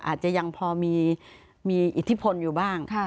อาจจะยังพอมีอิทธิพลอยู่บ้าง